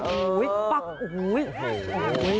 โอ้โฮโอ้โฮโอ้โฮโอ้โฮ